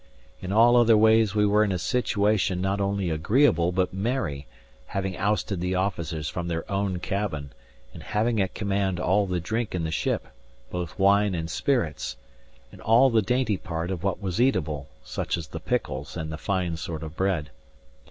In all other ways we were in a situation not only agreeable but merry; having ousted the officers from their own cabin, and having at command all the drink in the ship both wine and spirits and all the dainty part of what was eatable, such as the pickles and the fine sort of bread.